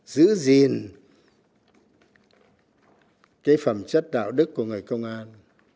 giữ gìn cái phẩm chất đạo đức của người công an